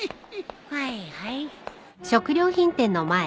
はいはい。